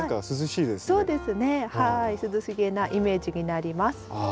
涼しげなイメージになります。